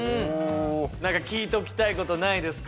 何か聞いておきたいことないですか？